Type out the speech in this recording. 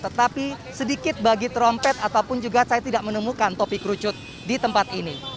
tetapi sedikit bagi trompet ataupun juga saya tidak menemukan topi kerucut di tempat ini